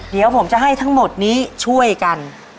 เดี๋ยวผมจะให้ทั้งหมดนี้ช่วยกัน